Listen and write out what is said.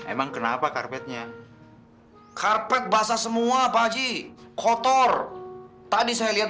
emang kenapa karpetnya karpet basah semua baju kotor tadi saya lihat